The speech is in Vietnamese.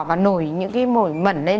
và nổi những cái mổi mẩn lên